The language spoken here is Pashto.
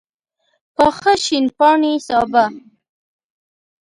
پاخه شین پاڼي سابه